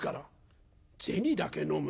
「銭だけ飲む？」。